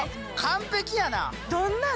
完璧やな！